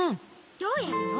どうやるの？